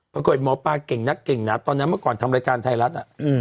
ปรากฏหมอปลาเก่งนักเก่งนะตอนนั้นเมื่อก่อนทำรายการไทยรัฐ